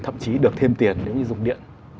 thậm chí được thêm tiền nếu như dùng điện